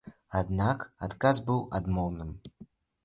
Аднак адказ быў адмоўным.